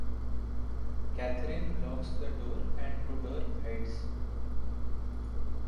Catherine locks the door and Tudor hides.